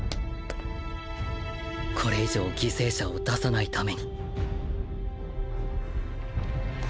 これ以上犠牲者を出さないために